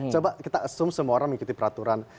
coba kita asum semua orang mengikuti peraturan